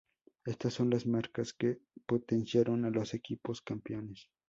Estas son las marcas que potenciaron a los equipos campeones.